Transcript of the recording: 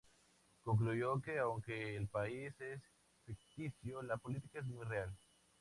Concluyó que aunque el país es ficticio, la política "es muy real.